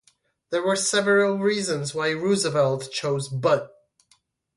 There were several reasons why Roosevelt chose Butt.